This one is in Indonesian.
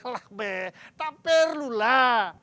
lah be tak perlu lah